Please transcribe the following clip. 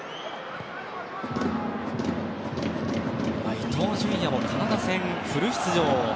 伊東純也もカナダ戦でフル出場